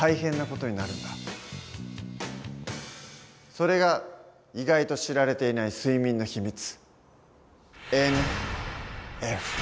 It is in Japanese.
それが意外と知られていない睡眠のひみつ。